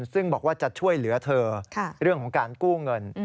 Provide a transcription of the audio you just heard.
ซึ่งบอกว่าจะช่วยเหลือเธอเรื่องของการกู้เงิน